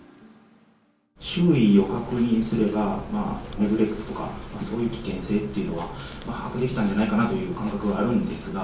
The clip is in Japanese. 周囲を確認すれば、ネグレクトとか、そういう危険性は把握できたんじゃないかなという感覚はあるんですが。